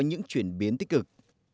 những chuyển biến tích cực